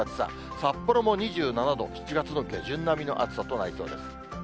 札幌も２７度、７月の下旬並みの暑さとなりそうです。